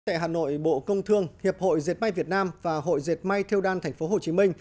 tại hà nội bộ công thương hiệp hội diệt may việt nam và hội diệt mây theo đan tp hcm